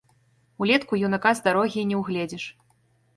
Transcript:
Улетку юнака з дарогі і не ўгледзіш.